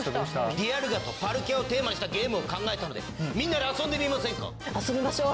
ディアルガとパルキアをテーマにしたゲームを考えたのでみんなで遊んでみませんか？